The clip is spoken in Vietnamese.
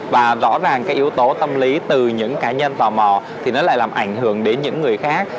và rõ ràng cái yếu tố tâm lý từ những cá nhân tò mò thì nó lại làm ảnh hưởng đến những người khác